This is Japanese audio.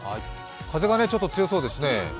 風がちょっと強そうですね。